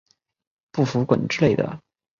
不服滚之类的